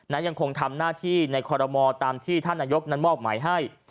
และยังคงทำหน้าที่ในคอรมอตามที่ท่านนายกนั้นมอบหมายให้